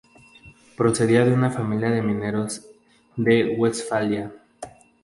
Procedía de una familia de mineros de Westfalia.